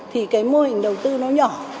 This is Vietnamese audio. thì cái mô hình đầu tư nó nhỏ